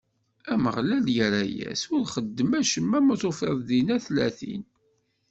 Ameɣlal irra-as: Ur xeddmeɣ acemma ma ufiɣ dinna tlatin.